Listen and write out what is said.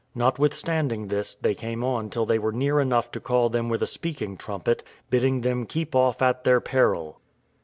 Notwithstanding this, they came on till they were near enough to call to them with a speaking trumpet, bidding them keep off at their peril.